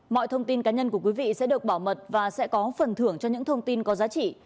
mọi thông tin cá nhân của quý vị sẽ được bảo mật và sẽ có phần thưởng cho những thông tin có giá trị